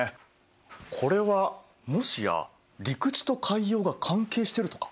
これはもしや陸地と海洋が関係してるとか？